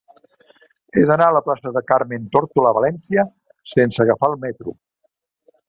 He d'anar a la plaça de Carmen Tórtola Valencia sense agafar el metro.